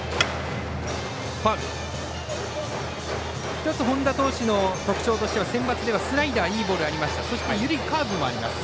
１つ本田投手の特徴としてはセンバツではスライダーいいボールがありました。